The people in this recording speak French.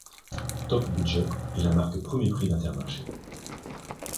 Top Budget est la marque premier prix d'Intermarché.